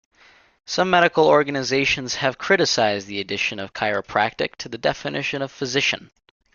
Some medical organizations have criticized the addition of chiropractic to the definition of physician.